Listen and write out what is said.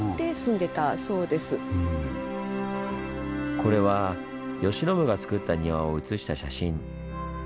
これは慶喜がつくった庭を写した写真。